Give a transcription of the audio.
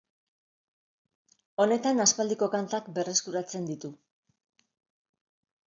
Honetan aspaldiko kantak berreskuratzen ditu.